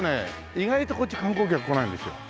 意外とこっち観光客来ないんですよ